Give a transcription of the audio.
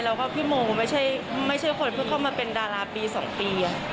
แล้วก็พี่โมไม่ใช่คนเพิ่งเข้ามาเป็นดาราปี๒ปี